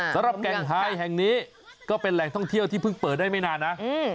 แก่งไฮแห่งนี้ก็เป็นแหล่งท่องเที่ยวที่เพิ่งเปิดได้ไม่นานนะ